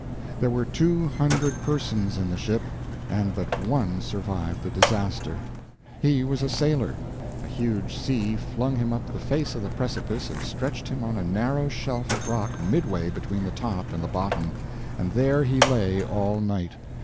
There were two hundred persons in the ship, and but one survived the disaster. He was a sailor. A huge sea flung him up the face of the precipice and stretched him on a narrow shelf of rock midway between the top and the bottom, and there he lay all night.